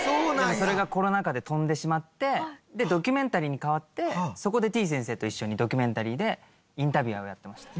でもそれがコロナ禍で飛んでしまってでドキュメンタリーに変わってそこでてぃ先生と一緒にドキュメンタリーでインタビュアーをやってました。